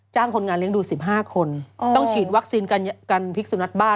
คนงานเลี้ยงดู๑๕คนต้องฉีดวัคซีนกันพิกสุนักบ้า